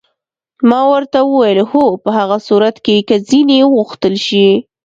ما ورته وویل: هو، په هغه صورت کې که ځینې وغوښتل شي.